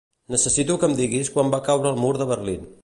Necessito que em diguis quan va caure el mur de Berlín.